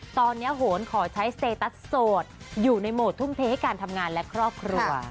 ตอนนี้โหนขอใช้สเตตัสโสดอยู่ในโหมดทุ่มเทให้การทำงานและครอบครัว